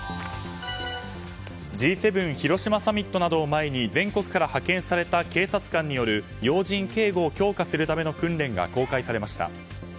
Ｇ７広島サミットなどを前に全国から派遣された警察官による要人警護を強化するための訓練が公開されました。